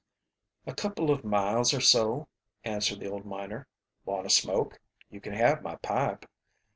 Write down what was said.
"A couple of miles or so," answered the old miner. "Want a smoke? You can have my pipe."